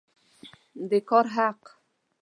د کار حق